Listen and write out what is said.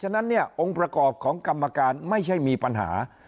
ฉะนั้นเนี่ยองค์ประกอบของกรรมการไม่ใช่มีปัญหา